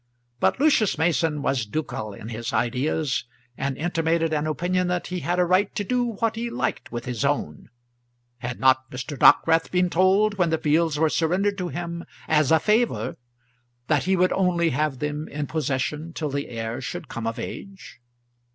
But Lucius Mason was ducal in his ideas, and intimated an opinion that he had a right to do what he liked with his own. Had not Mr. Dockwrath been told, when the fields were surrendered to him as a favour, that he would only have them in possession till the heir should come of age?